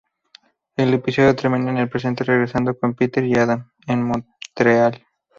El episodio termina en el presente, regresando con Peter y Adam en Montreal.